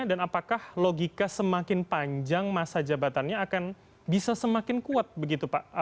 dan apakah logika semakin panjang masa jabatannya akan bisa semakin kuat begitu pak